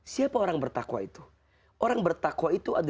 siapa orang bertakwa itu